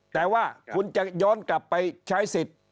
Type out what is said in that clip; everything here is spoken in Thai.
แต่ว่าคุณจะย้อนกลับไปใช้สิทธิ์